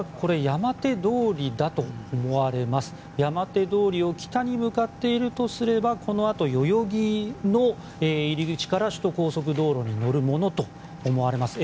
山手通りを北に向かっているとすればこのあと代々木の入り口から首都高速道路に乗るものと思われます。